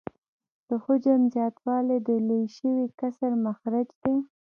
د حجم زیاتوالی د لوی شوي کسر مخرج دی